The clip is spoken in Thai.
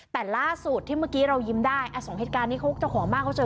แต่ล่าสุดที่เมื่อกี้เรายิ้มได้อ่ะสองเหตุการณ์นี้เขาเจ้าของบ้านเขาเจอ